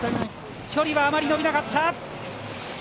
距離はあまり伸びなかった。